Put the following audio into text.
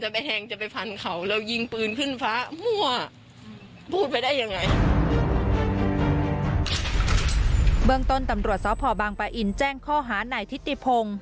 เบื้องต้นตำรวจสพบางปะอินแจ้งข้อหานายทิติพงศ์